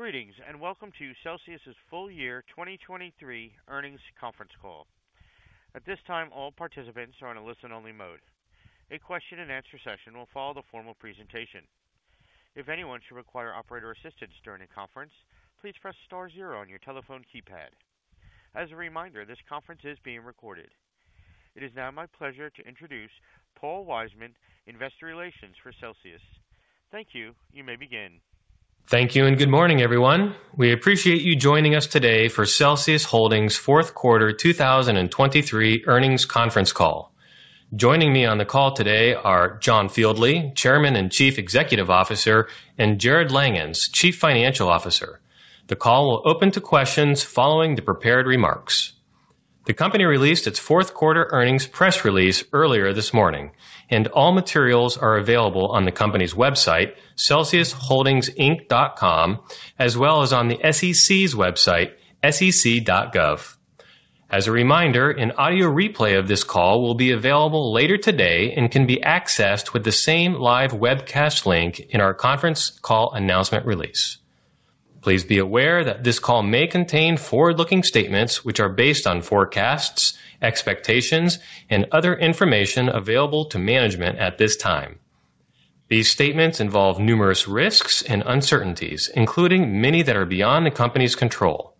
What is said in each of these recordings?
Greetings, and welcome to Celsius's full year 2023 earnings conference call. At this time, all participants are in a listen-only mode. A question and answer session will follow the formal presentation. If anyone should require operator assistance during the conference, please press star zero on your telephone keypad. As a reminder, this conference is being recorded. It is now my pleasure to introduce Paul Wiseman, Investor Relations for Celsius. Thank you. You may begin. Thank you, and good morning, everyone. We appreciate you joining us today for Celsius Holdings' fourth quarter 2023 earnings conference call. Joining me on the call today are John Fieldly, Chairman and Chief Executive Officer, and Jarrod Langhans, Chief Financial Officer. The call will open to questions following the prepared remarks. The company released its fourth quarter earnings press release earlier this morning, and all materials are available on the company's website, celsius.com, as well as on the SEC's website, sec.gov. As a reminder, an audio replay of this call will be available later today and can be accessed with the same live webcast link in our conference call announcement release. Please be aware that this call may contain forward-looking statements, which are based on forecasts, expectations, and other information available to management at this time. These statements involve numerous risks and uncertainties, including many that are beyond the company's control.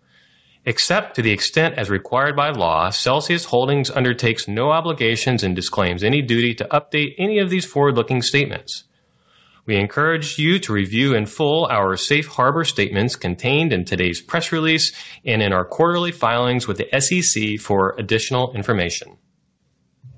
Except to the extent as required by law, Celsius Holdings undertakes no obligations and disclaims any duty to update any of these forward-looking statements. We encourage you to review in full our safe harbor statements contained in today's press release and in our quarterly filings with the SEC for additional information.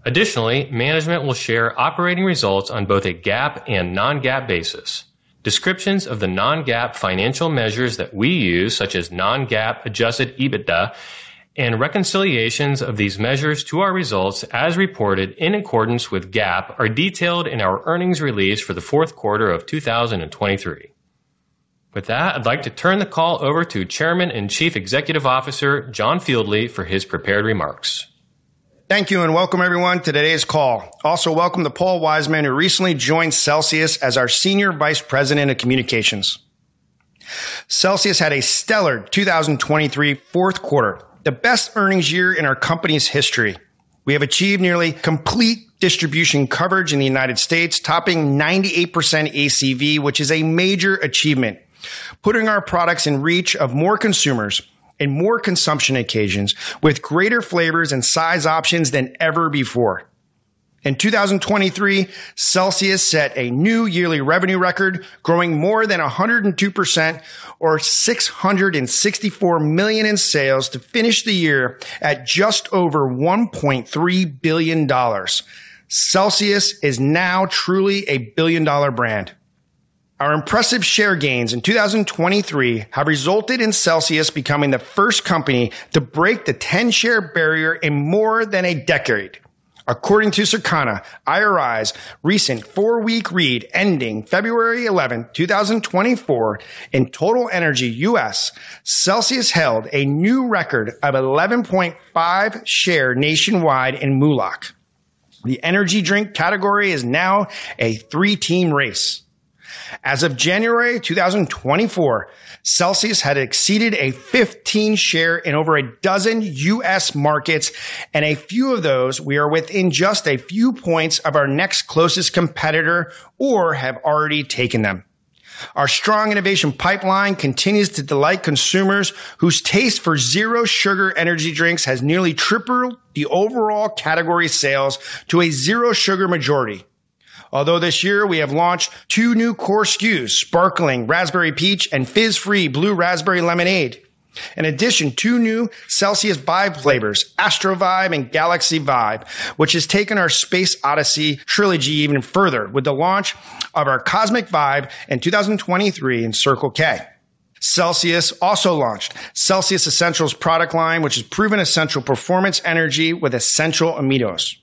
Additionally, management will share operating results on both a GAAP and non-GAAP basis. Descriptions of the non-GAAP financial measures that we use, such as non-GAAP adjusted EBITDA, and reconciliations of these measures to our results as reported in accordance with GAAP, are detailed in our earnings release for the fourth quarter of 2023. With that, I'd like to turn the call over to Chairman and Chief Executive Officer, John Fieldly, for his prepared remarks. Thank you, and welcome everyone to today's call. Also, welcome to Paul Wiseman, who recently joined Celsius as our Senior Vice President of Communications. Celsius had a stellar 2023 fourth quarter, the best earnings year in our company's history. We have achieved nearly complete distribution coverage in the United States, topping 98% ACV, which is a major achievement, putting our products in reach of more consumers and more consumption occasions with greater flavors and size options than ever before. In 2023, Celsius set a new yearly revenue record, growing more than 102% or $664 million in sales to finish the year at just over $1.3 billion. Celsius is now truly a billion-dollar brand. Our impressive share gains in 2023 have resulted in Celsius becoming the first company to break the 10% share barrier in more than a decade. According to Circana, IRI's recent four-week read, ending February 11, 2024, in total energy U.S., Celsius held a new record of 11.5% share nationwide in MULOC. The energy drink category is now a three-team race. As of January 2024, Celsius had exceeded a 15% share in over a dozen U.S. markets, and a few of those we are within just a few points of our next closest competitor or have already taken them. Our strong innovation pipeline continues to delight consumers whose taste for zero sugar energy drinks has nearly tripled the overall category sales to a zero sugar majority. Although this year, we have launched two new core SKUs, Sparkling Raspberry Peach and Fizz-Free Blue Raspberry Lemonade. In addition, two new Celsius Vibe flavors, Astro Vibe and Galaxy Vibe, which has taken our Space Odyssey trilogy even further with the launch of our Cosmic Vibe in 2023 in Circle K. Celsius also launched Celsius Essentials product line, which has proven essential performance energy with essential aminos.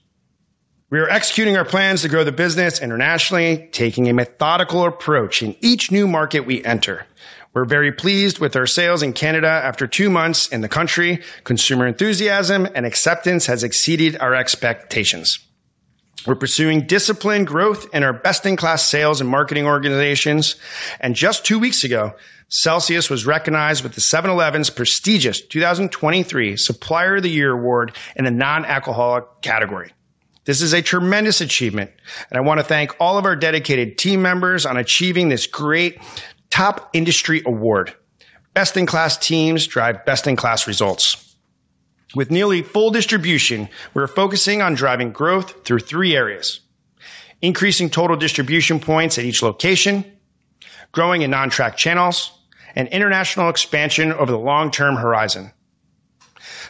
We are executing our plans to grow the business internationally, taking a methodical approach in each new market we enter. We're very pleased with our sales in Canada. After two months in the country, consumer enthusiasm and acceptance has exceeded our expectations. We're pursuing disciplined growth in our best-in-class sales and marketing organizations, and just two weeks ago, Celsius was recognized with the 7-Eleven's prestigious 2023 Supplier of the Year Award in the non-alcoholic category. This is a tremendous achievement, and I want to thank all of our dedicated team members on achieving this great top industry award. Best-in-class teams drive best-in-class results. With nearly full distribution, we're focusing on driving growth through three areas: increasing total distribution points at each location, growing in on-track channels, and international expansion over the long-term horizon.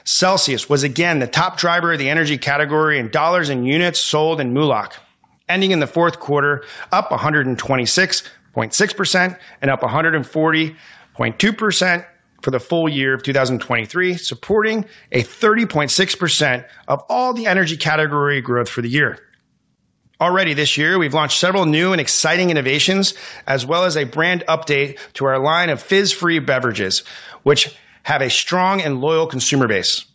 Celsius was again the top driver of the energy category in dollars and units sold in MULOC, ending in the fourth quarter, up 126.6% and up 140.2% for the full year of 2023, supporting a 30.6% of all the energy category growth for the year. Already this year, we've launched several new and exciting innovations, as well as a brand update to our line of fizz-free beverages, which have a strong and loyal consumer base.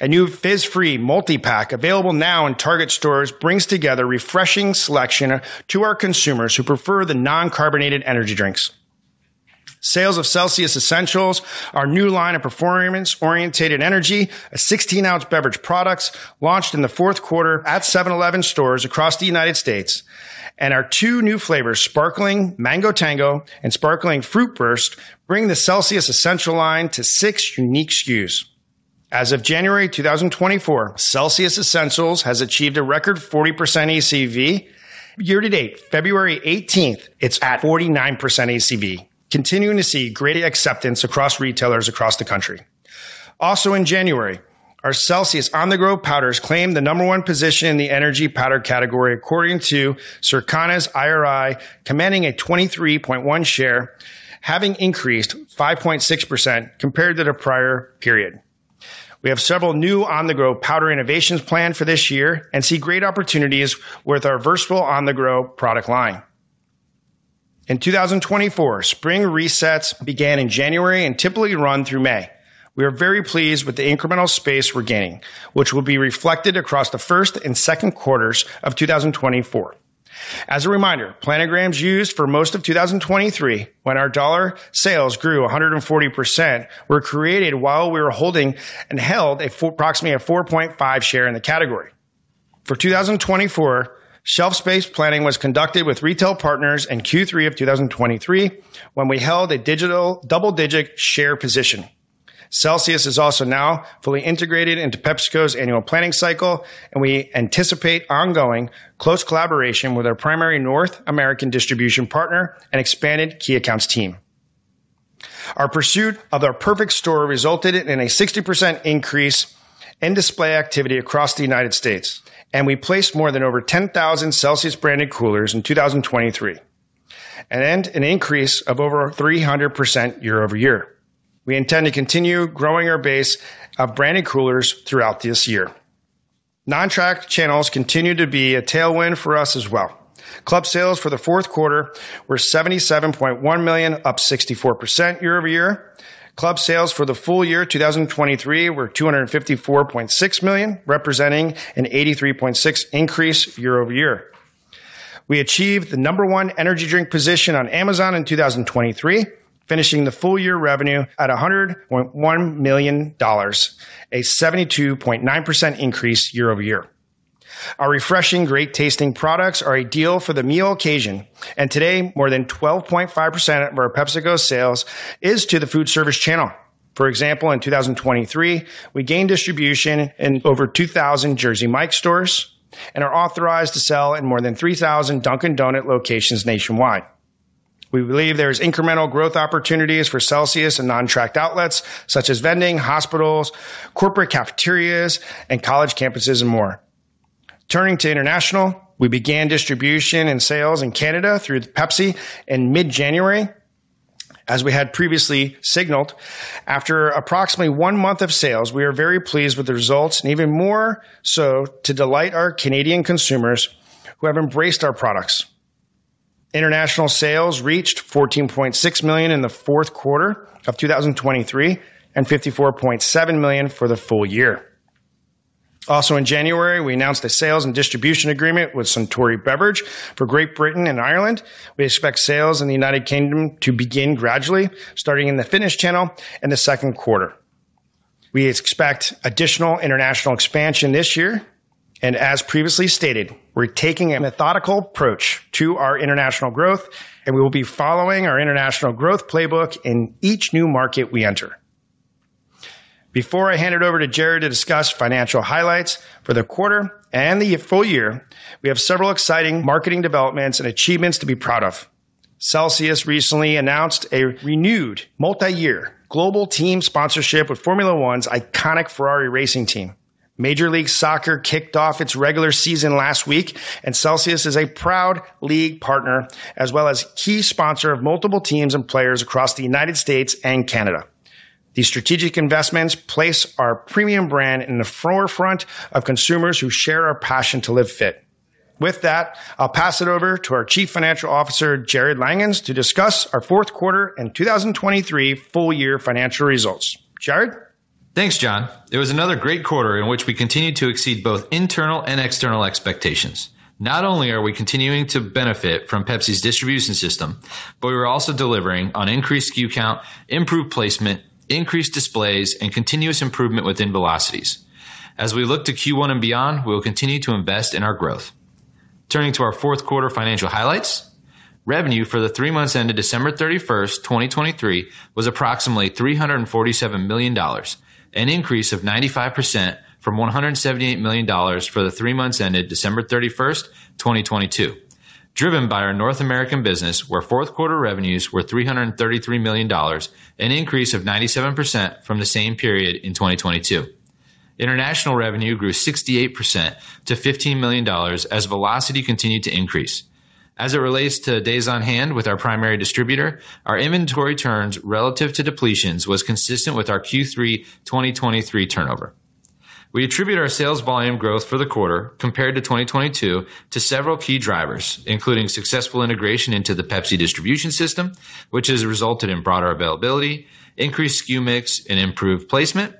A new fizz-free multipack available now in Target stores brings together refreshing selection to our consumers who prefer the non-carbonated energy drinks. Sales of Celsius Essentials, our new line of performance-oriented energy, a 16-ounce beverage products launched in the fourth quarter at 7-Eleven stores across the United States, and our two new flavors, Sparkling Mango Tango and Sparkling Fruit Burst, bring the Celsius Essentials line to six unique SKUs. As of January 2024, Celsius Essentials has achieved a record 40% ACV. Year to date, February 18, it's at 49% ACV, continuing to see greater acceptance across retailers across the country. Also in January, our Celsius On-the-Go powders claimed the number one position in the energy powder category, according to Circana's IRI, commanding a 23.1 share, having increased 5.6% compared to the prior period. We have several new On-the-Go powder innovations planned for this year and see great opportunities with our versatile On-the-Go product line. In 2024, spring resets began in January and typically run through May. We are very pleased with the incremental space we're gaining, which will be reflected across the first and second quarters of 2024. As a reminder, planograms used for most of 2023, when our dollar sales grew 140%, were created while we were holding and held approximately a 4.5 share in the category. For 2024, shelf space planning was conducted with retail partners in Q3 of 2023, when we held a digital double-digit share position. Celsius is also now fully integrated into PepsiCo's annual planning cycle, and we anticipate ongoing close collaboration with our primary North American distribution partner and expanded key accounts team. Our pursuit of our perfect store resulted in a 60% increase in display activity across the United States, and we placed more than over 10,000 Celsius branded coolers in 2023, and an increase of over 300% year-over-year. We intend to continue growing our base of branded coolers throughout this year. Non-tracked channels continue to be a tailwind for us as well. Club sales for the fourth quarter were $77.1 million, up 64% year-over-year. Club sales for the full year 2023 were $254.6 million, representing an 83.6% increase year-over-year. We achieved the number one energy drink position on Amazon in 2023, finishing the full year revenue at $101 million, a 72.9% increase year-over-year. Our refreshing, great tasting products are ideal for the meal occasion, and today, more than 12.5% of our PepsiCo sales is to the food service channel. For example, in 2023, we gained distribution in over 2,000 Jersey Mike's stores and are authorized to sell in more than 3,000 Dunkin' locations nationwide. We believe there is incremental growth opportunities for Celsius in non-tracked outlets such as vending, hospitals, corporate cafeterias, and college campuses, and more. Turning to international, we began distribution and sales in Canada through Pepsi in mid-January, as we had previously signaled. After approximately one month of sales, we are very pleased with the results, and even more so to delight our Canadian consumers who have embraced our products. International sales reached $14.6 million in the fourth quarter of 2023, and $54.7 million for the full year. Also in January, we announced a sales and distribution agreement with Suntory Beverage for Great Britain and Ireland. We expect sales in the United Kingdom to begin gradually, starting in the fitness channel in the second quarter. We expect additional international expansion this year, and as previously stated, we're taking a methodical approach to our international growth, and we will be following our international growth playbook in each new market we enter. Before I hand it over to Jarrod to discuss financial highlights for the quarter and the full year, we have several exciting marketing developments and achievements to be proud of. Celsius recently announced a renewed multi-year global team sponsorship with Formula One's iconic Ferrari racing team. Major League Soccer kicked off its regular season last week, and Celsius is a proud league partner, as well as key sponsor of multiple teams and players across the United States and Canada. These strategic investments place our premium brand in the forefront of consumers who share our passion to Live Fit. With that, I'll pass it over to our Chief Financial Officer, Jarrod Langhans, to discuss our fourth quarter and 2023 full year financial results. Jarrod? Thanks, John. It was another great quarter in which we continued to exceed both internal and external expectations. Not only are we continuing to benefit from Pepsi's distribution system, but we are also delivering on increased SKU count, improved placement, increased displays, and continuous improvement within velocities. As we look to Q1 and beyond, we will continue to invest in our growth. Turning to our fourth quarter financial highlights, revenue for the three months ended December thirty-first, twenty twenty-three, was approximately $347 million, an increase of 95% from $178 million for the three months ended December thirty-first, twenty twenty-two. Driven by our North American business, where fourth quarter revenues were $333 million, an increase of 97% from the same period in twenty twenty-two. International revenue grew 68% to $15 million as velocity continued to increase. As it relates to days on hand with our primary distributor, our inventory turns relative to depletions, was consistent with our Q3 2023 turnover. We attribute our sales volume growth for the quarter compared to 2022 to several key drivers, including successful integration into the Pepsi distribution system, which has resulted in broader availability, increased SKU mix, and improved placement.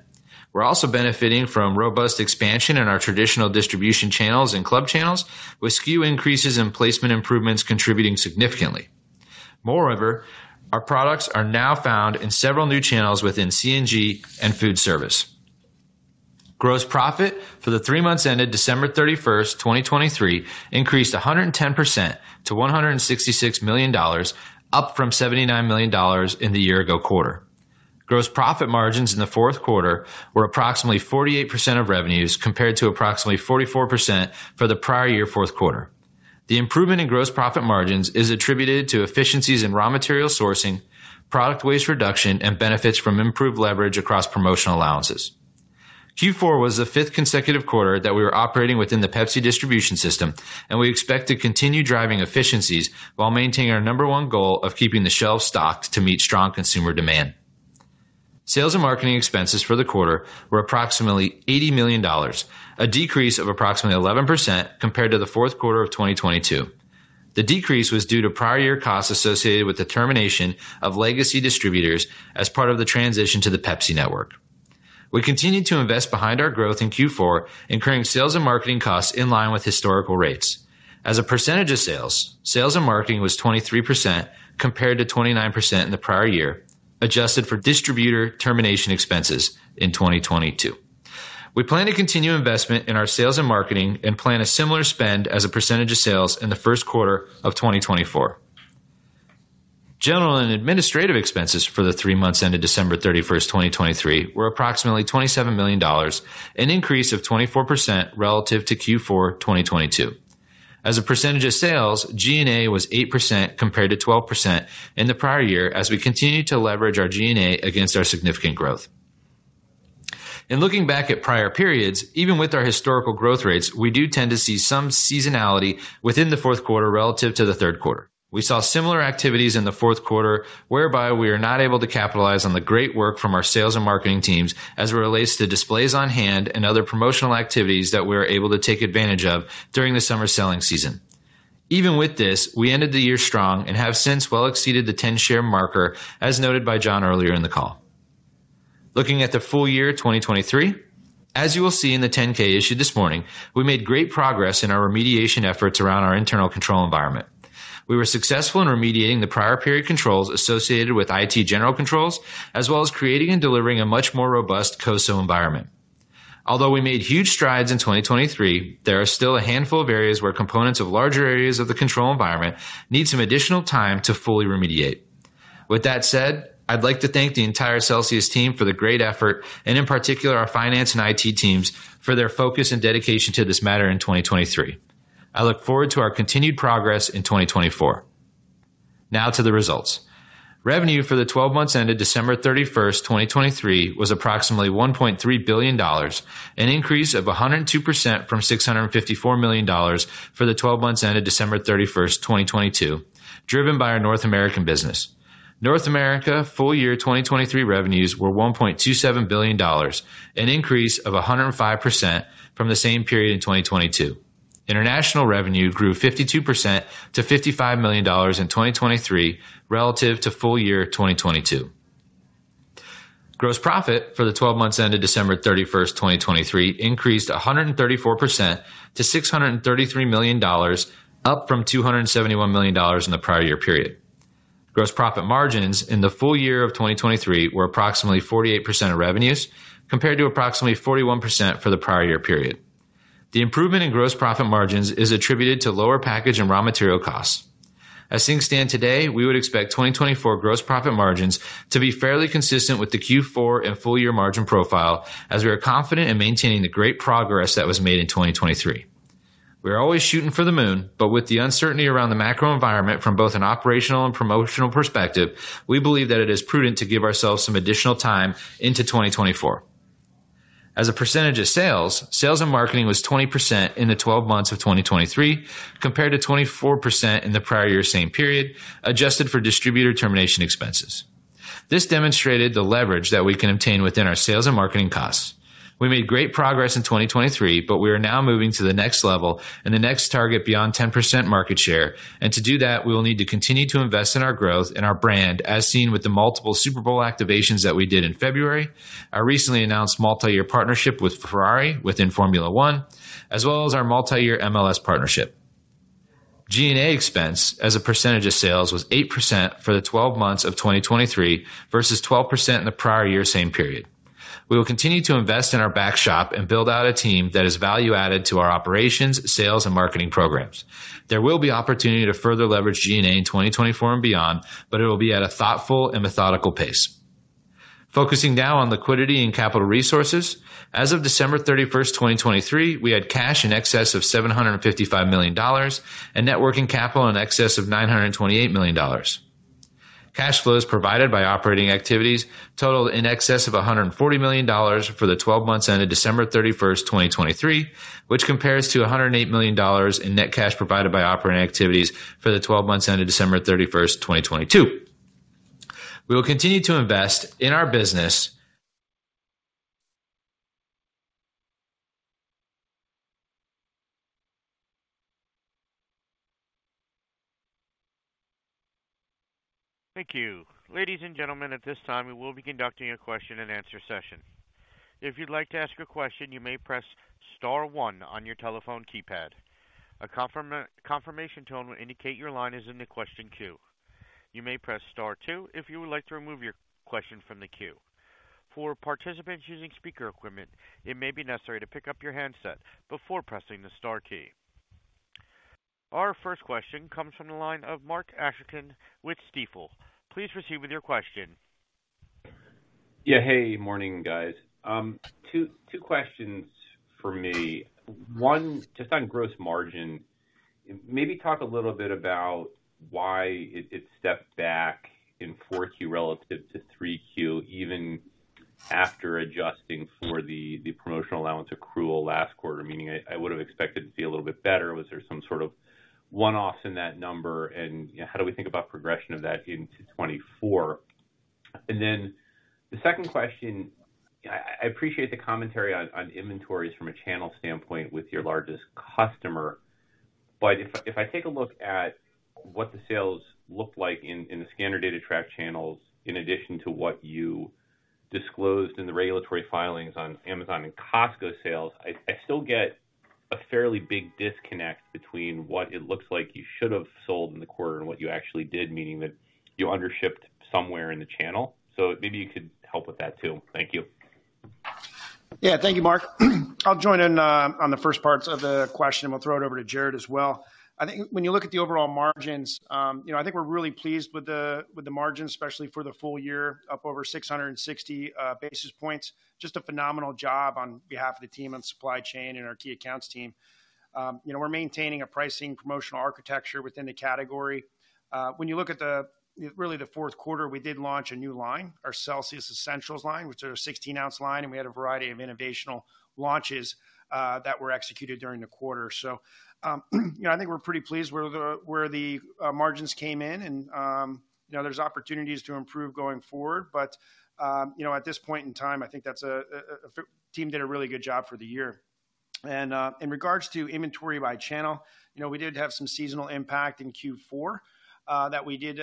We're also benefiting from robust expansion in our traditional distribution channels and club channels, with SKU increases and placement improvements contributing significantly. Moreover, our products are now found in several new channels within C&G and food service. Gross profit for the three months ended December 31st, 2023, increased 110% to $166 million, up from $79 million in the year-ago quarter. Gross profit margins in the fourth quarter were approximately 48% of revenues, compared to approximately 44% for the prior year fourth quarter. The improvement in gross profit margins is attributed to efficiencies in raw material sourcing, product waste reduction, and benefits from improved leverage across promotional allowances. Q4 was the fifth consecutive quarter that we were operating within the Pepsi distribution system, and we expect to continue driving efficiencies while maintaining our number one goal of keeping the shelves stocked to meet strong consumer demand. Sales and marketing expenses for the quarter were approximately $80 million, a decrease of approximately 11% compared to the fourth quarter of 2022. The decrease was due to prior year costs associated with the termination of legacy distributors as part of the transition to the Pepsi network. We continued to invest behind our growth in Q4, incurring sales and marketing costs in line with historical rates. As a percentage of sales, sales and marketing was 23% compared to 29% in the prior year, adjusted for distributor termination expenses in 2022. We plan to continue investment in our sales and marketing and plan a similar spend as a percentage of sales in the first quarter of 2024. General and administrative expenses for the three months ended December 31, 2023, were approximately $27 million, an increase of 24% relative to Q4 2022. As a percentage of sales, G&A was 8% compared to 12% in the prior year as we continued to leverage our G&A against our significant growth. In looking back at prior periods, even with our historical growth rates, we do tend to see some seasonality within the fourth quarter relative to the third quarter. We saw similar activities in the fourth quarter, whereby we were not able to capitalize on the great work from our sales and marketing teams as it relates to displays on hand and other promotional activities that we were able to take advantage of during the summer selling season. Even with this, we ended the year strong and have since well exceeded the 10 share marker, as noted by John earlier in the call. Looking at the full year 2023, as you will see in the 10-K issued this morning, we made great progress in our remediation efforts around our internal control environment. We were successful in remediating the prior period controls associated with IT General Controls, as well as creating and delivering a much more robust COSO environment. Although we made huge strides in 2023, there are still a handful of areas where components of larger areas of the control environment need some additional time to fully remediate. With that said, I'd like to thank the entire Celsius team for the great effort and in particular, our finance and IT teams for their focus and dedication to this matter in 2023. I look forward to our continued progress in 2024. Now to the results. Revenue for the twelve months ended December 31st, 2023, was approximately $1.3 billion, an increase of 102% from $654 million for the twelve months ended December 31st, 2022, driven by our North American business. North America full year 2023 revenues were $1.27 billion, an increase of 105% from the same period in 2022. International revenue grew 52% to $55 million in 2023 relative to full year 2022. Gross profit for the twelve months ended December 31st, 2023, increased 134% to $633 million, up from $271 million in the prior year period. Gross profit margins in the full year of 2023 were approximately 48% of revenues, compared to approximately 41% for the prior year period. The improvement in gross profit margins is attributed to lower package and raw material costs. As things stand today, we would expect 2024 gross profit margins to be fairly consistent with the Q4 and full year margin profile, as we are confident in maintaining the great progress that was made in 2023. We are always shooting for the moon, but with the uncertainty around the macro environment from both an operational and promotional perspective, we believe that it is prudent to give ourselves some additional time into 2024. As a percentage of sales, sales and marketing was 20% in the 12 months of 2023, compared to 24% in the prior year same period, adjusted for distributor termination expenses. This demonstrated the leverage that we can obtain within our sales and marketing costs. We made great progress in 2023, but we are now moving to the next level and the next target beyond 10% market share. To do that, we will need to continue to invest in our growth and our brand, as seen with the multiple Super Bowl activations that we did in February, our recently announced multi-year partnership with Ferrari within Formula One, as well as our multi-year MLS partnership. G&A expense as a percentage of sales was 8% for the 12 months of 2023 versus 12% in the prior year same period. We will continue to invest in our back shop and build out a team that is value-added to our operations, sales, and marketing programs. There will be opportunity to further leverage G&A in 2024 and beyond, but it will be at a thoughtful and methodical pace. Focusing now on liquidity and capital resources. As of December 31st, 2023, we had cash in excess of $755 million and net working capital in excess of $928 million. Cash flows provided by operating activities totaled in excess of $140 million for the twelve months ended December 31st, 2023, which compares to $108 million in net cash provided by operating activities for the twelve months ended December 31st, 2022. We will continue to invest in our business- Thank you. Ladies and gentlemen, at this time, we will be conducting a question-and-answer session. If you'd like to ask a question, you may press star one on your telephone keypad. A confirmation tone will indicate your line is in the question queue. You may press star two if you would like to remove your question from the queue. For participants using speaker equipment, it may be necessary to pick up your handset before pressing the star key. Our first question comes from the line of Mark Astrachan with Stifel. Please proceed with your question. Yeah. Hey, morning, guys. Two, two questions for me. One, just on gross margin, maybe talk a little bit about why it, it stepped back in 4Q relative to 3Q, even after adjusting for the, the promotional allowance accrual last quarter, meaning I, I would have expected to see a little bit better. Was there some sort of one-offs in that number? And, yeah, how do we think about progression of that into 2024? And then the second question, I appreciate the commentary on inventories from a channel standpoint with your largest customer, but if I take a look at what the sales look like in the scanner data track channels, in addition to what you disclosed in the regulatory filings on Amazon and Costco sales, I still get a fairly big disconnect between what it looks like you should have sold in the quarter and what you actually did, meaning that you undershipped somewhere in the channel. So maybe you could help with that too. Thank you. Yeah. Thank you, Mark. I'll join in on the first parts of the question, and we'll throw it over to Jarrod as well. I think when you look at the overall margins, you know, I think we're really pleased with the, with the margins, especially for the full year, up over 660 basis points. Just a phenomenal job on behalf of the team and supply chain and our key accounts team. You know, we're maintaining a pricing promotional architecture within the category. When you look at really, the fourth quarter, we did launch a new line, our Celsius Essentials line, which are a 16-ounce line, and we had a variety of innovational launches that were executed during the quarter. So, you know, I think we're pretty pleased where the margins came in and, you know, there's opportunities to improve going forward. But, you know, at this point in time, I think that's a the team did a really good job for the year. And, in regards to inventory by channel, you know, we did have some seasonal impact in Q4, that we did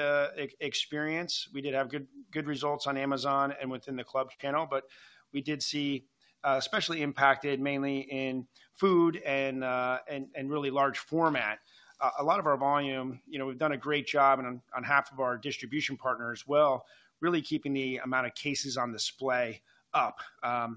experience. We did have good results on Amazon and within the clubs channel, but we did see, especially impacted mainly in food and and really large format. A lot of our volume, you know, we've done a great job on half of our distribution partners as well, really keeping the amount of cases on display up.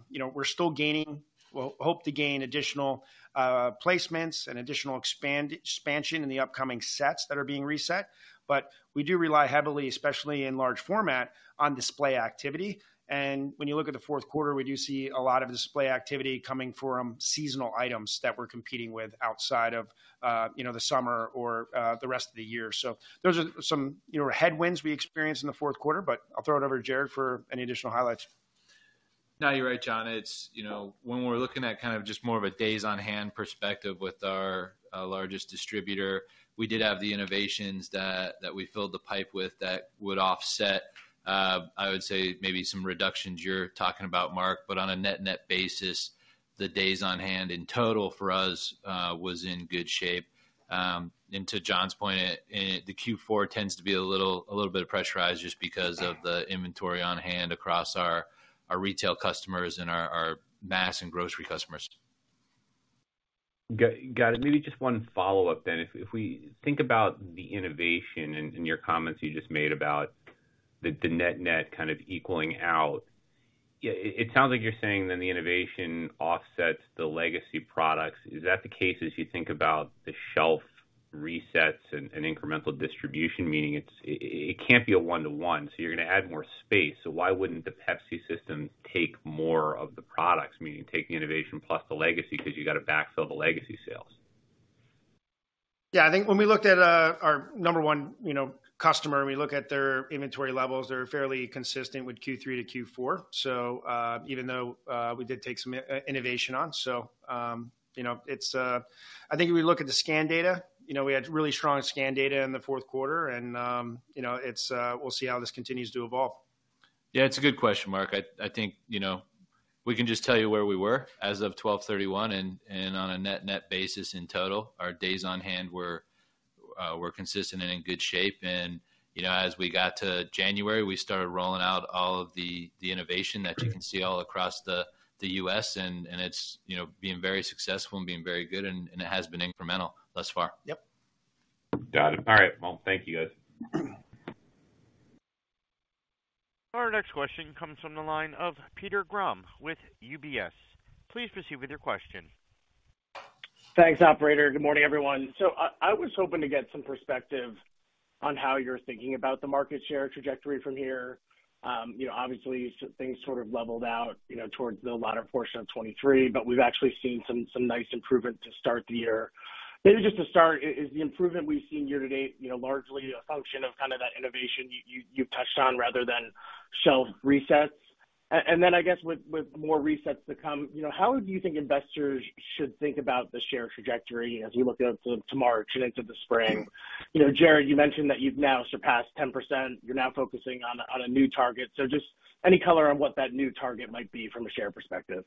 You know, we're still gaining. We'll hope to gain additional placements and additional expansion in the upcoming sets that are being reset. But we do rely heavily, especially in large format, on display activity, and when you look at the fourth quarter, we do see a lot of display activity coming from seasonal items that we're competing with outside of, you know, the summer or the rest of the year. So those are some, you know, headwinds we experienced in the fourth quarter, but I'll throw it over to Jarrod for any additional highlights. No, you're right, John. It's, you know, when we're looking at kind of just more of a days on hand perspective with our largest distributor, we did have the innovations that we filled the pipe with that would offset, I would say maybe some reductions you're talking about, Mark, but on a net-net basis, the days on hand in total for us was in good shape. And to John's point, the Q4 tends to be a little bit pressurized just because of the inventory on hand across our retail customers and our mass and grocery customers. Got it. Maybe just one follow-up then. If we think about the innovation and your comments you just made about the net-net kind of equaling out, yeah, it sounds like you're saying then the innovation offsets the legacy products. Is that the case as you think about the shelf resets and incremental distribution? Meaning, it can't be a one-to-one, so you're gonna add more space. So why wouldn't the Pepsi system take more of the products, meaning take the innovation plus the legacy, because you got to backfill the legacy sales? Yeah, I think when we looked at our number one, you know, customer, we look at their inventory levels, they're fairly consistent with Q3 to Q4. So, even though we did take some innovation on. So, you know, it's I think if we look at the scan data, you know, we had really strong scan data in the fourth quarter, and, you know, it's, we'll see how this continues to evolve. Yeah, it's a good question, Mark. I think, you know, we can just tell you where we were as of 12/31, and on a net-net basis in total, our days on hand were consistent and in good shape. You know, as we got to January, we started rolling out all of the innovation that you can see all across the U.S., and it's being very successful and very good, and it has been incremental thus far. Yep. Got it. All right. Well, thank you, guys. Our next question comes from the line of Peter Grom with UBS. Please proceed with your question. Thanks, operator. Good morning, everyone. So I was hoping to get some perspective on how you're thinking about the market share trajectory from here. You know, obviously, so things sort of leveled out, you know, towards the latter portion of 2023, but we've actually seen some nice improvement to start the year. Maybe just to start, is the improvement we've seen year to date, you know, largely a function of kind of that innovation you touched on, rather than shelf resets? And then I guess with more resets to come, you know, how do you think investors should think about the share trajectory as we look into March and into the spring? You know, Jarrod, you mentioned that you've now surpassed 10%. You're now focusing on a new target. Just any color on what that new target might be from a share perspective?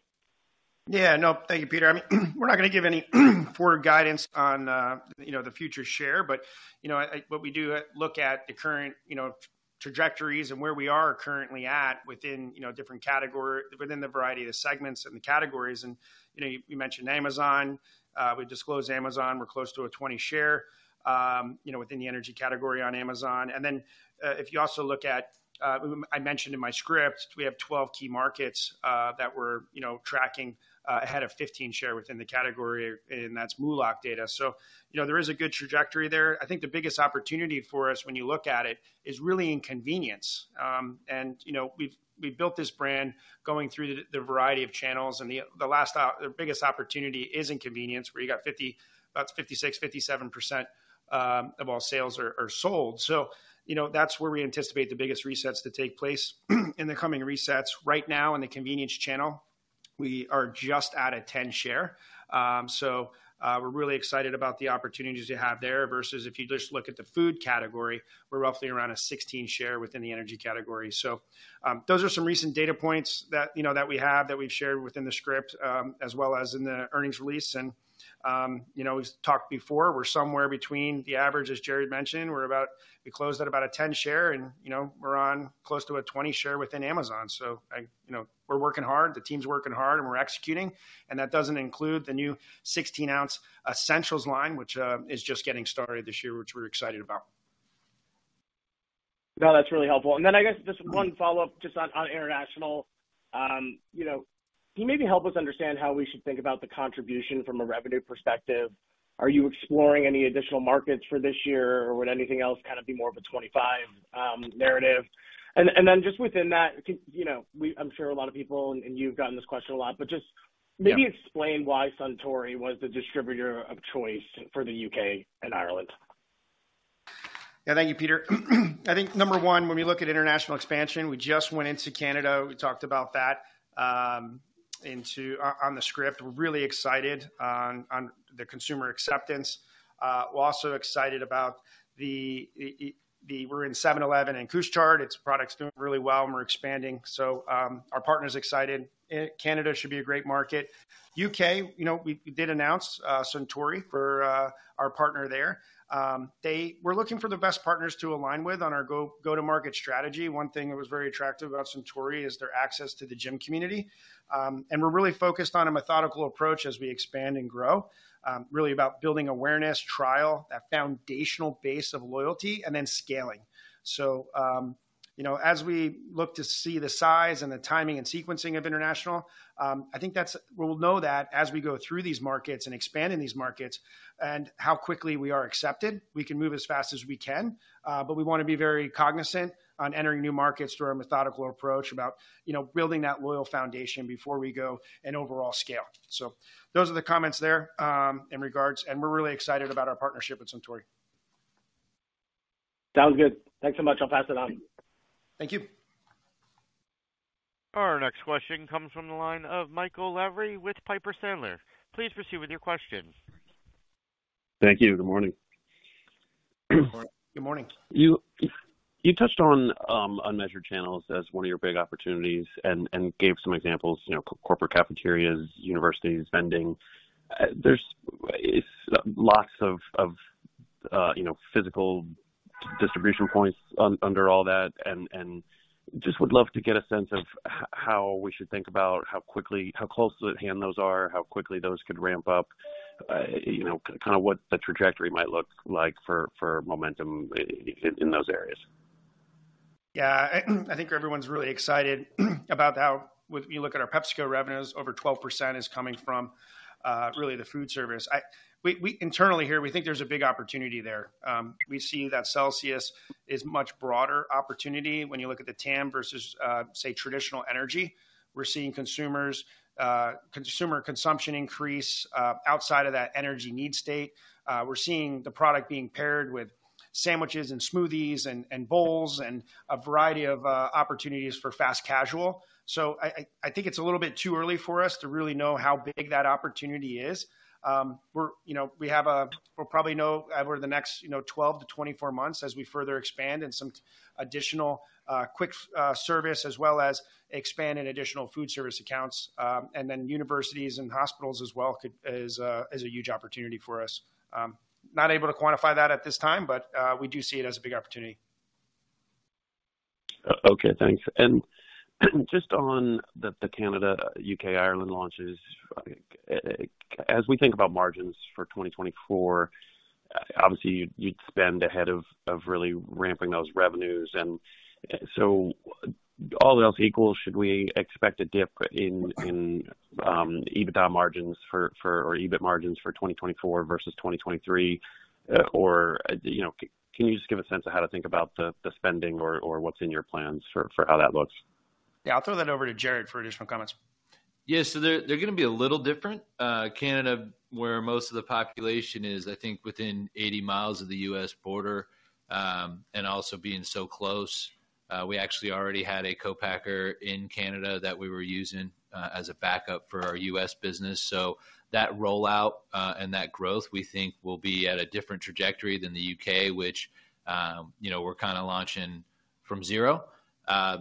Yeah. No, thank you, Peter. I mean, we're not gonna give any forward guidance on, you know, the future share, but, you know, I but we do look at the current, you know, trajectories and where we are currently at within, you know, different category within the variety of the segments and the categories. And, you know, you mentioned Amazon. We disclosed Amazon. We're close to a 20% share, you know, within the energy category on Amazon. And then, if you also look at, I mentioned in my script, we have 12 key markets that we're, you know, tracking ahead of 15% share within the category, and that's MULOC data. So, you know, there is a good trajectory there. I think the biggest opportunity for us when you look at it is really in convenience. And, you know, we've built this brand going through the variety of channels, and the biggest opportunity is in convenience, where you got 56%-57% of all sales are sold. So, you know, that's where we anticipate the biggest resets to take place, and the coming resets. Right now, in the convenience channel, we are just at a 10 share. So, we're really excited about the opportunities you have there, versus if you just look at the food category, we're roughly around a 16 share within the energy category. So, those are some recent data points that, you know, that we have, that we've shared within the script, as well as in the earnings release. You know, we've talked before, we're somewhere between the average, as Jarrod mentioned, we're about we closed at about a 10 share, and, you know, we're on close to a 20 share within Amazon. So I, You know, we're working hard, the team's working hard, and we're executing, and that doesn't include the new 16-ounce Essentials line, which is just getting started this year, which we're excited about. No, that's really helpful. And then, I guess, just one follow-up, just on international. You know, can you maybe help us understand how we should think about the contribution from a revenue perspective? Are you exploring any additional markets for this year, or would anything else kind of be more of a 25 narrative? And, and then just within that, you know, we I'm sure a lot of people, and, and you've gotten this question a lot, but just Yeah. Maybe explain why Suntory was the distributor of choice for the UK and Ireland. Yeah, thank you, Peter. I think, number one, when we look at international expansion, we just went into Canada. We talked about that on the script. We're really excited on the consumer acceptance. We're also excited about the we're in 7-Eleven and Couche-Tard. It's product's doing really well, and we're expanding. So, our partner's excited. And Canada should be a great market. UK, you know, we did announce Suntory for our partner there. We're looking for the best partners to align with on our go-to-market strategy. One thing that was very attractive about Suntory is their access to the gym community. And we're really focused on a methodical approach as we expand and grow. Really about building awareness, trial, that foundational base of loyalty, and then scaling. So, you know, as we look to see the size and the timing and sequencing of international, I think that's... We'll know that as we go through these markets and expand in these markets, and how quickly we are accepted. We can move as fast as we can, but we want to be very cognizant on entering new markets through our methodical approach about, you know, building that loyal foundation before we go and overall scale. So those are the comments there, in regards, and we're really excited about our partnership with Suntory. Sounds good. Thanks so much. I'll pass it on. Thank you. Our next question comes from the line of Michael Lavery with Piper Sandler. Please proceed with your question. Thank you. Good morning. Good morning. You touched on unmeasured channels as one of your big opportunities and gave some examples, you know, corporate cafeterias, universities, vending. There's lots of you know, physical distribution points under all that, and just would love to get a sense of how we should think about how quickly, how close at hand those are, how quickly those could ramp up, you know, kind of what the trajectory might look like for momentum in those areas. Yeah, I think everyone's really excited about how, when you look at our PepsiCo revenues, over 12% is coming from really the food service. We, we, internally here, we think there's a big opportunity there. We've seen that Celsius is a much broader opportunity when you look at the TAM versus say traditional energy. We're seeing consumers consumer consumption increase outside of that energy need state. We're seeing the product being paired with sandwiches and smoothies and bowls and a variety of opportunities for fast casual. So I think it's a little bit too early for us to really know how big that opportunity is. We're, you know, we have a we'll probably know over the next, you know, 12-24 months as we further expand in some additional quick service, as well as expand in additional food service accounts. And then universities and hospitals as well is a huge opportunity for us. Not able to quantify that at this time, but we do see it as a big opportunity. Okay, thanks. And just on the Canada, UK, Ireland launches, as we think about margins for 2024, obviously, you'd spend ahead of really ramping those revenues. And so all else equal, should we expect a dip in EBITDA margins or EBIT margins for 2024 versus 2023? Or, you know, can you just give a sense of how to think about the spending or what's in your plans for how that looks? Yeah. I'll throw that over to Jarrod for additional comments. Yeah. So they're, they're gonna be a little different. Canada, where most of the population is, I think, within 80 miles of the U.S. border, and also being so close. We actually already had a co-packer in Canada that we were using, as a backup for our U.S. business. So that rollout, and that growth, we think will be at a different trajectory than the U.K., which, you know, we're kind of launching from zero.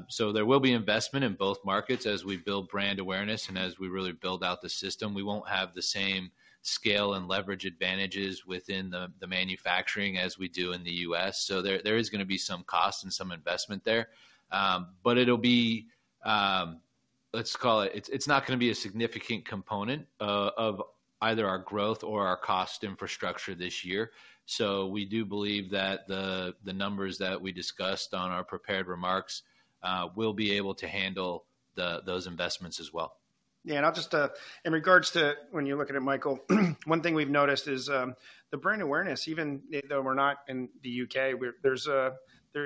So there will be investment in both markets as we build brand awareness and as we really build out the system. We won't have the same scale and leverage advantages within the, the manufacturing as we do in the U.S. So there, there is gonna be some cost and some investment there. But it'll be, let's call it, it's not gonna be a significant component of either our growth or our cost infrastructure this year. So we do believe that the numbers that we discussed on our prepared remarks will be able to handle those investments as well. Yeah, and I'll just, in regards to when you're looking at Michael, one thing we've noticed is, the brand awareness, even though we're not in the U.K., we're, there's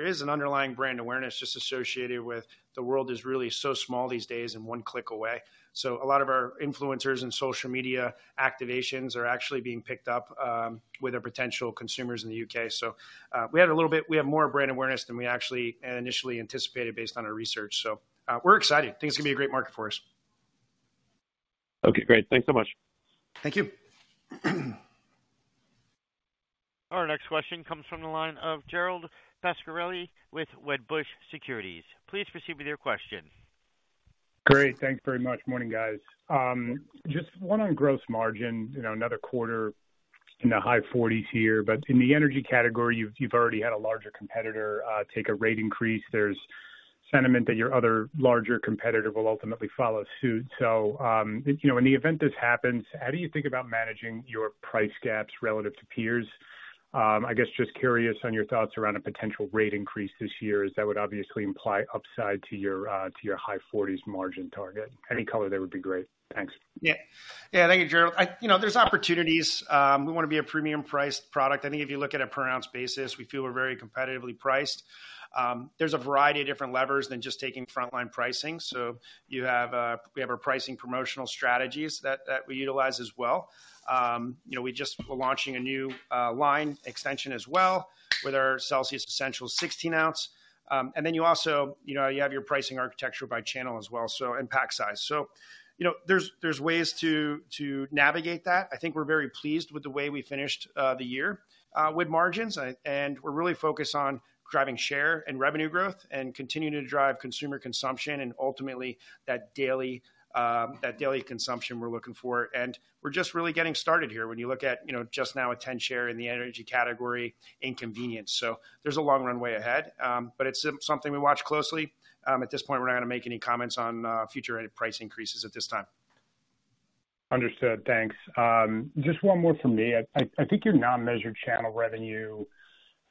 an underlying brand awareness just associated with the world is really so small these days and one click away. So a lot of our influencers and social media activations are actually being picked up, with our potential consumers in the U.K. So, we had a little bit we have more brand awareness than we actually and initially anticipated based on our research. So, we're excited. Things are gonna be a great market for us. Okay, great. Thanks so much. Thank you. Our next question comes from the line of Gerald Pascarelli with Wedbush Securities. Please proceed with your question. Great. Thanks very much. Morning, guys. Just one on gross margin, you know, another quarter in the high 40s here, but in the energy category, you've, you've already had a larger competitor take a rate increase. There's sentiment that your other larger competitor will ultimately follow suit. So, you know, in the event this happens, how do you think about managing your price gaps relative to peers? I guess, just curious on your thoughts around a potential rate increase this year. That would obviously imply upside to your, to your high 40s margin target. Any color there would be great. Thanks. Yeah. Yeah, thank you, Gerald. I you know, there's opportunities. We wanna be a premium priced product. I think if you look at a per ounce basis, we feel we're very competitively priced. There's a variety of different levers than just taking frontline pricing. So you have a we have our pricing promotional strategies that, that we utilize as well. You know, we just, we're launching a new line extension as well with our Celsius Essentials 16-ounce. And then you also, you know, you have your pricing architecture by channel as well, so, and pack size. So, you know, there's, there's ways to, to navigate that. I think we're very pleased with the way we finished the year with margins. And we're really focused on driving share and revenue growth and continuing to drive consumer consumption and ultimately that daily, that daily consumption we're looking for. We're just really getting started here when you look at, you know, just now a 10% share in the energy category in convenience. There's a long runway ahead, but it's something we watch closely. At this point, we're not gonna make any comments on future price increases at this time. Understood. Thanks. Just one more from me. I think your non-measured channel revenue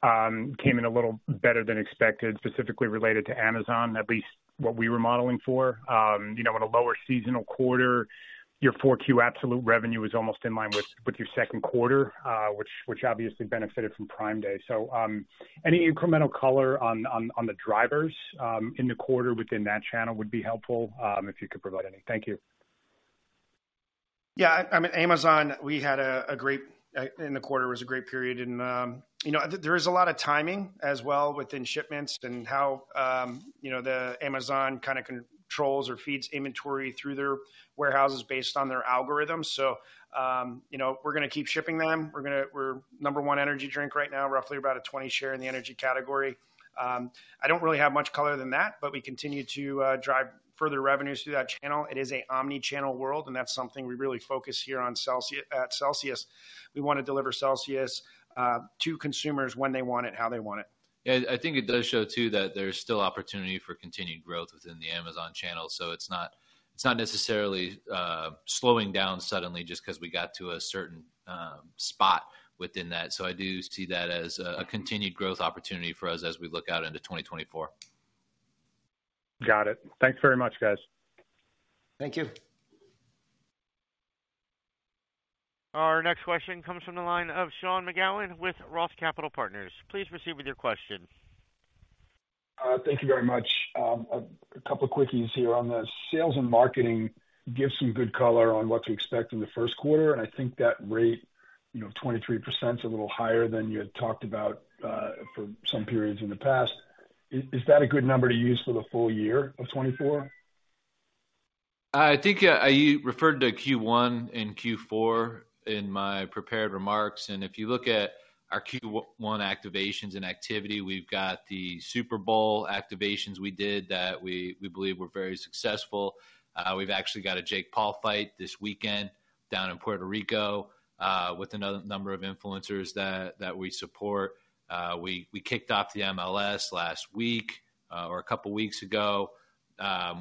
came in a little better than expected, specifically related to Amazon, at least what we were modeling for. You know, in a lower seasonal quarter, your Q4 absolute revenue is almost in line with your second quarter, which obviously benefited from Prime Day. So, any incremental color on the drivers in the quarter within that channel would be helpful, if you could provide any. Thank you. Yeah, I mean, Amazon, we had a great in the quarter, it was a great period and, you know, there is a lot of timing as well within shipments and how, you know, the Amazon kind of controls or feeds inventory through their warehouses based on their algorithms. So, you know, we're gonna keep shipping them. We're gonna we're number one energy drink right now, roughly about a 20% share in the energy category. I don't really have much color than that, but we continue to drive further revenues through that channel. It is a omni-channel world, and that's something we really focus here on Celsi- at Celsius. We wanna deliver Celsius to consumers when they want it, how they want it. Yeah, I think it does show too, that there's still opportunity for continued growth within the Amazon channel, so it's not, it's not necessarily, slowing down suddenly just because we got to a certain, spot within that. So I do see that as a, a continued growth opportunity for us as we look out into 2024. Got it. Thanks very much, guys. Thank you. Our next question comes from the line of Sean McGowan with ROTH Capital Partners. Please proceed with your question. Thank you very much. A couple of quickies here. On the sales and marketing, give some good color on what to expect in the first quarter, and I think that rate, you know, 23% is a little higher than you had talked about for some periods in the past. Is that a good number to use for the full year of 2024? I think I referred to Q1 and Q4 in my prepared remarks, and if you look at our Q1 activations and activity, we've got the Super Bowl activations we did that we believe were very successful. We've actually got a Jake Paul fight this weekend down in Puerto Rico with another number of influencers that we support. We kicked off the MLS last week or a couple of weeks ago.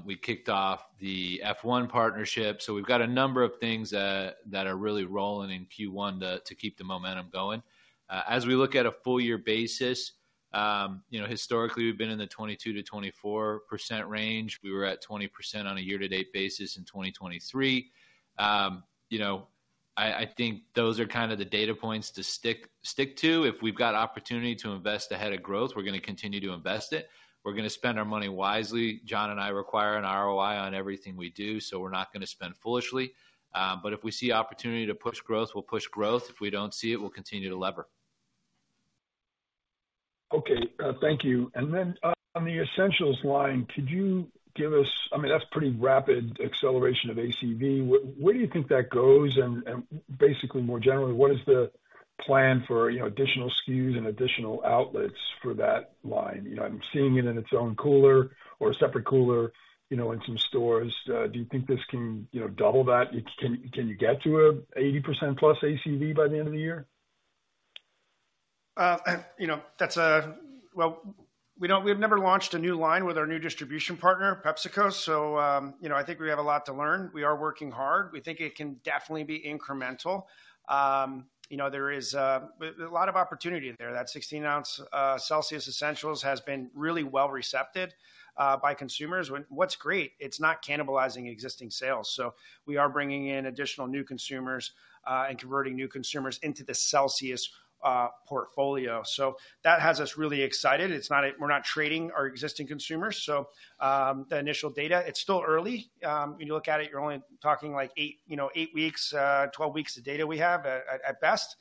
We kicked off the F1 partnership. So we've got a number of things that are really rolling in Q1 to keep the momentum going. As we look at a full year basis, you know, historically, we've been in the 22%-24% range. We were at 20% on a year-to-date basis in 2023. You know, I think those are kind of the data points to stick to. If we've got opportunity to invest ahead of growth, we're gonna continue to invest it. We're gonna spend our money wisely. John and I require an ROI on everything we do, so we're not gonna spend foolishly. But if we see opportunity to push growth, we'll push growth. If we don't see it, we'll continue to lever. Okay, thank you. And then, on the Essentials line, could you give us. I mean, that's pretty rapid acceleration of ACV. Where do you think that goes? And basically, more generally, what is the plan for, you know, additional SKUs and additional outlets for that line? You know, I'm seeing it in its own cooler or a separate cooler, you know, in some stores. Do you think this can, you know, double that? Can you get to a 80%+ ACV by the end of the year? You know, we've never launched a new line with our new distribution partner, PepsiCo. So, you know, I think we have a lot to learn. We are working hard. We think it can definitely be incremental. You know, there is a lot of opportunity there. That 16-ounce Celsius Essentials has been really well received by consumers. What's great, it's not cannibalizing existing sales. So we are bringing in additional new consumers and converting new consumers into the Celsius portfolio. So that has us really excited. It's not we're not trading our existing consumers. So, the initial data, it's still early. When you look at it, you're only talking like eight, you know, eight weeks, 12 weeks of data we have at best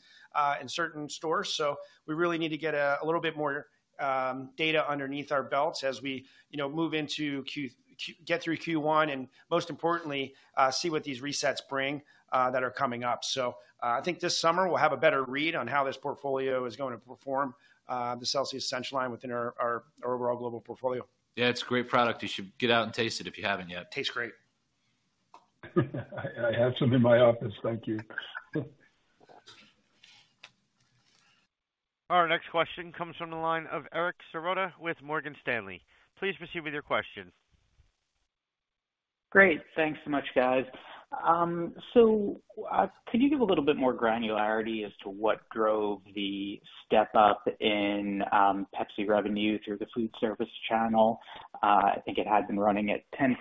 in certain stores. So we really need to get a little bit more data underneath our belts as we, you know, move into Q get through Q1, and most importantly, see what these resets bring that are coming up. So, I think this summer, we'll have a better read on how this portfolio is going to perform, the Celsius Essentials line within our overall global portfolio. Yeah, it's a great product. You should get out and taste it if you haven't yet. Tastes great. I have some in my office. Thank you. Our next question comes from the line of Eric Serotta with Morgan Stanley. Please proceed with your question. Great. Thanks so much, guys. So, could you give a little bit more granularity as to what drove the step up in Pepsi revenue through the food service channel? I think it had been running at 10%,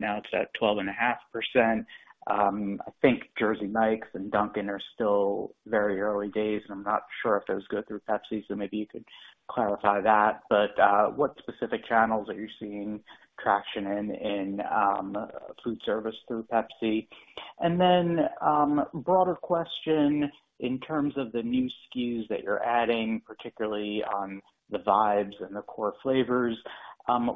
now it's at 12.5%. I think Jersey Mike's and Dunkin' are still very early days, and I'm not sure if those go through Pepsi, so maybe you could clarify that. But, what specific channels are you seeing traction in in food service through Pepsi? And then, broader question in terms of the new SKUs that you're adding, particularly on the Vibes and the core flavors,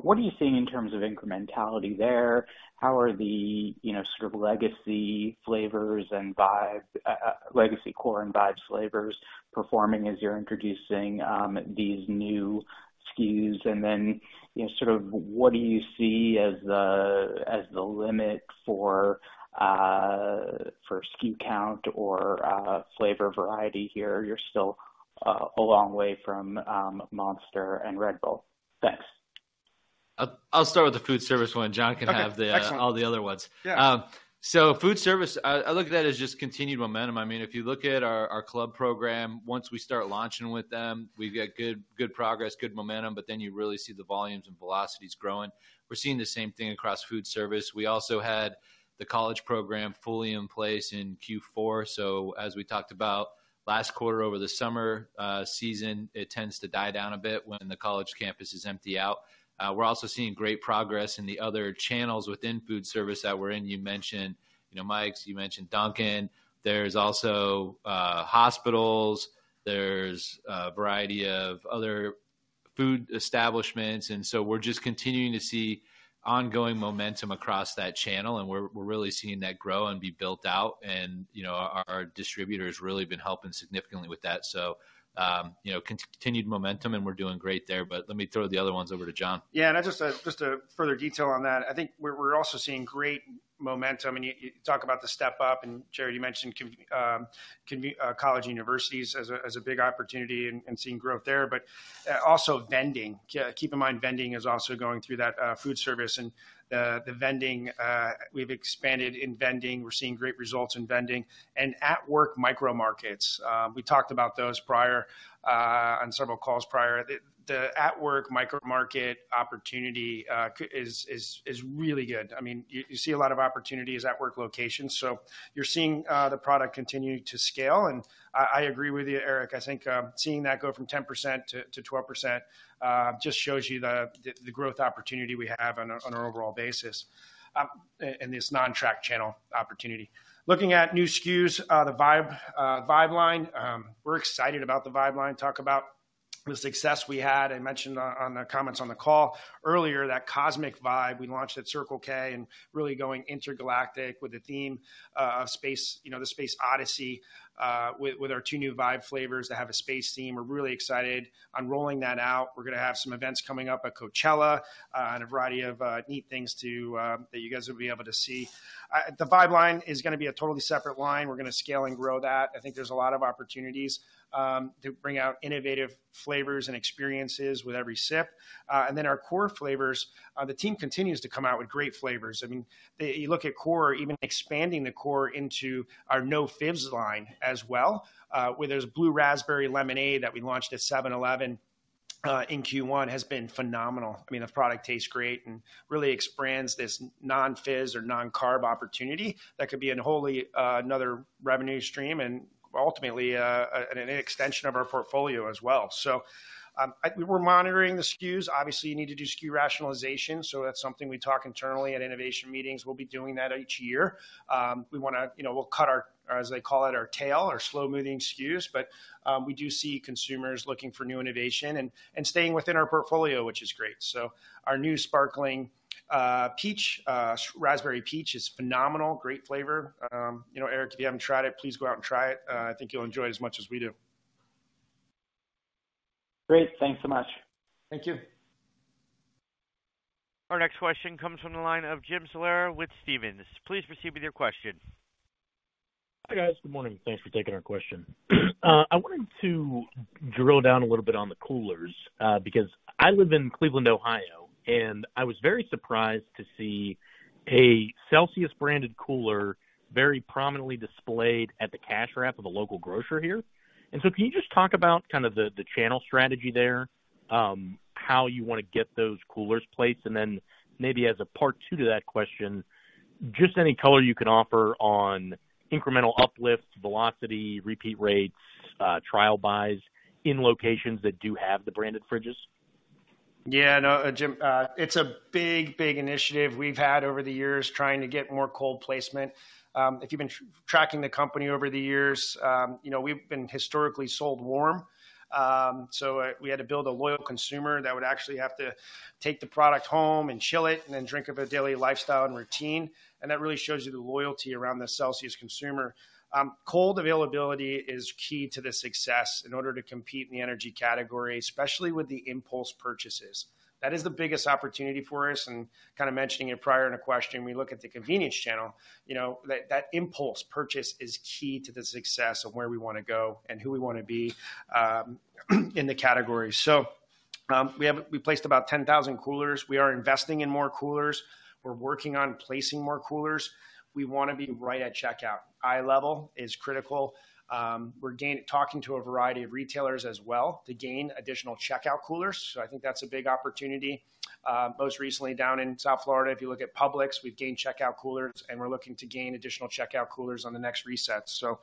what are you seeing in terms of incrementality there? How are the, you know, sort of legacy flavors and vibe, legacy core and vibes flavors performing as you're introducing, these new SKUs? And then, you know, sort of what do you see as the, as the limit for, for SKU count or, flavor variety here? You're still, a long way from, Monster and Red Bull. Thanks. I'll start with the food service one. John can have the Okay, excellent. all the other ones. Yeah. So food service, I look at that as just continued momentum. I mean, if you look at our club program, once we start launching with them, we've got good progress, good momentum, but then you really see the volumes and velocities growing. We're seeing the same thing across food service. We also had the college program fully in place in Q4. So as we talked about last quarter, over the summer season, it tends to die down a bit when the college campuses empty out. We're also seeing great progress in the other channels within food service that we're in. You mentioned, you know, Mike's, you mentioned Dunkin'. There's also hospitals, there's a variety of other food establishments, and so we're just continuing to see ongoing momentum across that channel, and we're really seeing that grow and be built out. And, you know, our distributors really been helping significantly with that. So, you know, continued momentum, and we're doing great there, but let me throw the other ones over to John. Yeah, and just a further detail on that. I think we're also seeing great momentum, and you talk about the step up, and Jared, you mentioned college universities as a big opportunity and seeing growth there, but also vending. Keep in mind, vending is also going through that food service and the vending. We've expanded in vending. We're seeing great results in vending. And at work micro markets. We talked about those prior on several calls prior. The at work micro market opportunity is really good. I mean, you see a lot of opportunities at work locations, so you're seeing the product continue to scale. And I agree with you, Eric. I think, seeing that go from 10% to 12%, just shows you the growth opportunity we have on an overall basis, in this non-track channel opportunity. Looking at new SKUs, the Vibe line, we're excited about the Vibe line. Talk about the success we had. I mentioned on the comments on the call earlier, that Cosmic Vibe we launched at Circle K and really going intergalactic with the theme of space, you know, the Space Odyssey, with our two new Vibe flavors that have a space theme. We're really excited on rolling that out. We're gonna have some events coming up at Coachella, and a variety of neat things to that you guys will be able to see. The Vibe line is gonna be a totally separate line. We're gonna scale and grow that. I think there's a lot of opportunities to bring out innovative flavors and experiences with every sip. And then our core flavors, the team continues to come out with great flavors. I mean, you look at core, even expanding the core into our no fizz line as well, where there's Blue Raspberry Lemonade that we launched at 7-Eleven in Q1, has been phenomenal. I mean, the product tastes great and really expands this non-fizz or non-carb opportunity that could be a wholly another revenue stream and ultimately an extension of our portfolio as well. So, we're monitoring the SKUs. Obviously, you need to do SKU rationalization, so that's something we talk internally at innovation meetings. We'll be doing that each year. We wanna, you know, we'll cut our, as they call it, our tail, our slow-moving SKUs. But we do see consumers looking for new innovation and, and staying within our portfolio, which is great. So our new Sparkling Raspberry Peach is phenomenal. Great flavor. You know, Eric, if you haven't tried it, please go out and try it. I think you'll enjoy it as much as we do. Great. Thanks so much. Thank you. Our next question comes from the line of Jim Salera with Stephens. Please proceed with your question. Hi, guys. Good morning. Thanks for taking our question. I wanted to drill down a little bit on the coolers, because I live in Cleveland, Ohio, and I was very surprised to see a Celsius branded cooler very prominently displayed at the cash wrap of a local grocer here. And so can you just talk about kind of the channel strategy there, how you want to get those coolers placed? And then maybe as a part two to that question, just any color you can offer on incremental uplifts, velocity, repeat rates, trial buys in locations that do have the branded fridges. Yeah, no, Jim, it's a big, big initiative we've had over the years trying to get more cold placement. If you've been tracking the company over the years, you know, we've been historically sold warm. So, we had to build a loyal consumer that would actually have to take the product home and chill it and then drink of a daily lifestyle and routine. And that really shows you the loyalty around the Celsius consumer. Cold availability is key to the success in order to compete in the energy category, especially with the impulse purchases. That is the biggest opportunity for us. And kind of mentioning it prior in a question, we look at the convenience channel, you know, that, that impulse purchase is key to the success of where we wanna go and who we wanna be, in the category. So, we have placed about 10,000 coolers. We are investing in more coolers. We're working on placing more coolers. We wanna be right at checkout. Eye level is critical. We're talking to a variety of retailers as well to gain additional checkout coolers, so I think that's a big opportunity. Most recently, down in South Florida, if you look at Publix, we've gained checkout coolers, and we're looking to gain additional checkout coolers on the next reset. So,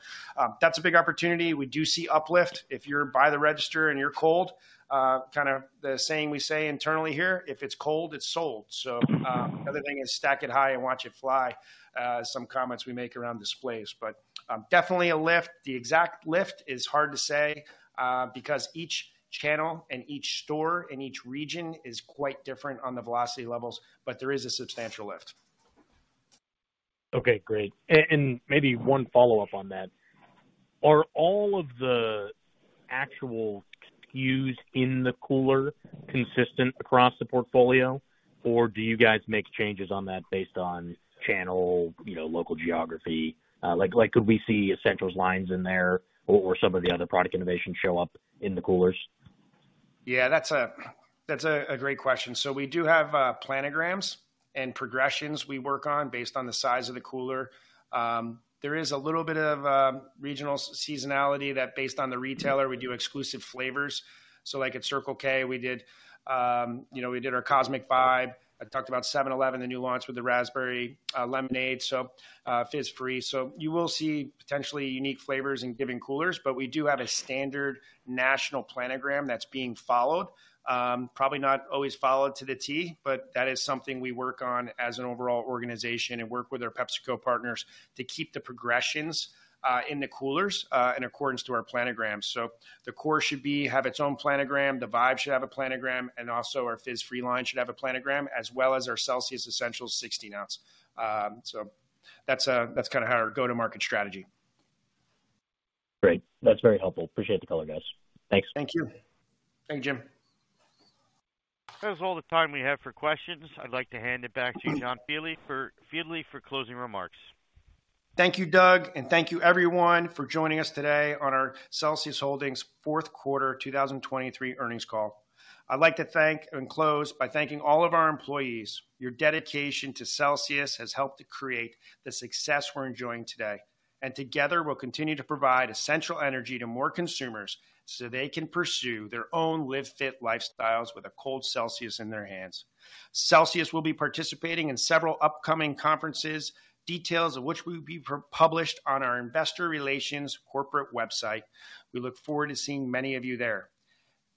that's a big opportunity. We do see uplift. If you're by the register and you're cold, kind of the saying we say internally here, "If it's cold, it's sold." So, another thing is, "Stack it high and watch it fly," some comments we make around displays, but definitely a lift. The exact lift is hard to say, because each channel and each store and each region is quite different on the velocity levels, but there is a substantial lift. Okay, great. And maybe one follow-up on that. Are all of the actual SKUs in the cooler consistent across the portfolio, or do you guys make changes on that based on channel, you know, local geography? Like, could we see Essentials lines in there or some of the other product innovations show up in the coolers? Yeah, that's a great question. So we do have planograms and progressions we work on based on the size of the cooler. There is a little bit of regional seasonality that based on the retailer, we do exclusive flavors. So like at Circle K, we did our Cosmic Vibe. I talked about 7-Eleven, the new launch with the raspberry lemonade, so fizz-free. So you will see potentially unique flavors in given coolers, but we do have a standard national planogram that's being followed. Probably not always followed to the T, but that is something we work on as an overall organization and work with our PepsiCo partners to keep the progressions in the coolers in accordance to our planograms. So the core should be, have its own planogram, the Vibe should have a planogram, and also our fizz-free line should have a planogram, as well as our Celsius Essentials 16-ounce. So that's, that's kind of our go-to-market strategy. Great. That's very helpful. Appreciate the color, guys. Thanks. Thank you. Thank you, Jim. That is all the time we have for questions. I'd like to hand it back to you, John Fieldly, for closing remarks. Thank you, Doug, and thank you everyone for joining us today on our Celsius Holdings fourth quarter 2023 earnings call. I'd like to thank and close by thanking all of our employees. Your dedication to Celsius has helped to create the success we're enjoying today, and together, we'll continue to provide essential energy to more consumers so they can pursue their own Live Fit lifestyles with a cold Celsius in their hands. Celsius will be participating in several upcoming conferences, details of which will be published on our investor relations corporate website. We look forward to seeing many of you there.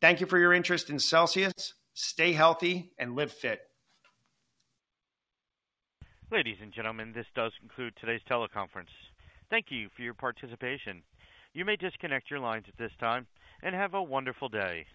Thank you for your interest in Celsius. Stay healthy and Live Fit. Ladies and gentlemen, this does conclude today's teleconference. Thank you for your participation. You may disconnect your lines at this time, and have a wonderful day.